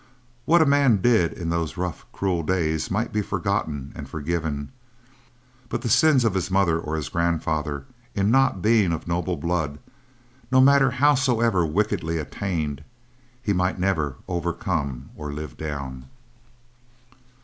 What a man did in those rough cruel days might be forgotten and forgiven but the sins of his mother or his grandfather in not being of noble blood, no matter howsoever wickedly attained, he might never overcome or live down.